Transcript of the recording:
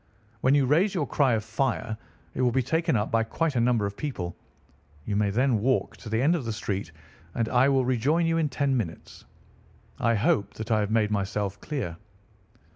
When you raise your cry of fire, it will be taken up by quite a number of people. You may then walk to the end of the street, and I will rejoin you in ten minutes. I hope that I have made myself clear?"